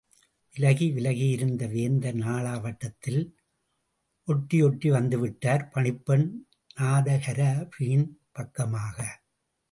விலகி விலகியிருந்த வேந்தர் நாளாவட்டத்தில் ஒட்டி ஒட்டி வந்துவிட்டார் – பணிப்பெண் நாதகரபியின் பக்கமாக!